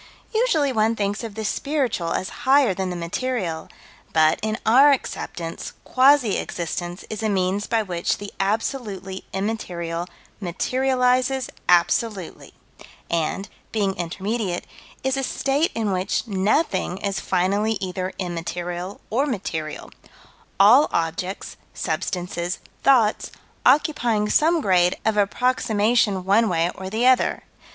Usually one thinks of the spiritual as higher than the material, but, in our acceptance, quasi existence is a means by which the absolutely immaterial materializes absolutely, and, being intermediate, is a state in which nothing is finally either immaterial or material, all objects, substances, thoughts, occupying some grade of approximation one way or the other.